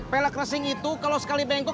pelek racing itu kalau sekali bengkok